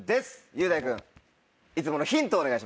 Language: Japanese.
雄大君いつものヒントをお願いします。